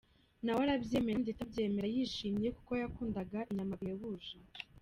Nawe arabyemera ndetse abyemera yishimye kuko yakundaga inyama bihebuje.